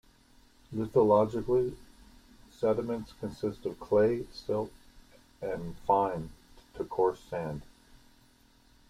Lithologically, sediments consist of clay, silt and fine to coarse sand.